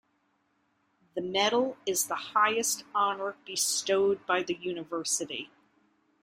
The medal is the highest honor bestowed by the university.